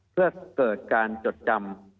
เพื่อเกิดการจดจำ